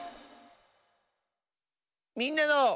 「みんなの」。